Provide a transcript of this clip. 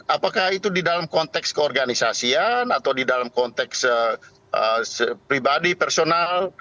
apakah itu di dalam konteks keorganisasian atau di dalam konteks pribadi personal